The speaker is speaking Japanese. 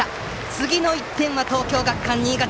次の１点は東京学館新潟！